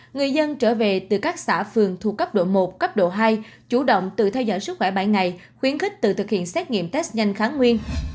người dân trở về từ các xã phường thuộc cấp độ một cấp độ hai chủ động tự theo dõi sức khỏe ban ngày khuyến khích tự thực hiện xét nghiệm test nhanh kháng nguyên